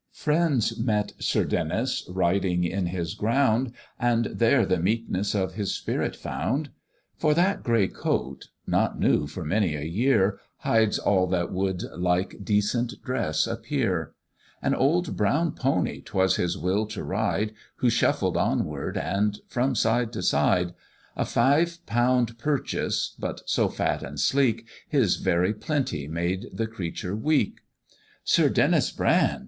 Friends met Sir Denys riding in his ground, And there the meekness of his spirit found: For that gray coat, not new for many a year, Hides all that would like decent dress appear; An old brown pony 'twas his will to ride, Who shuffled onward, and from side to side; A five pound purchase, but so fat and sleek, His very plenty made the creature weak. "Sir Denys Brand!